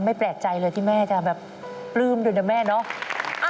ไม่แปลกใจเลยที่แม่จะแบบปลื้มโดยแม่เนอะ